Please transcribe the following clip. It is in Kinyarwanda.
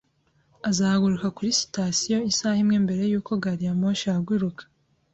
Azahaguruka kuri sitasiyo isaha imwe mbere yuko gari ya moshi ihaguruka.